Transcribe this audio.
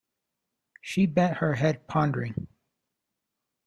She bent her head, pondering.